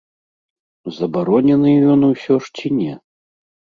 Забаронены ён усё ж ці не?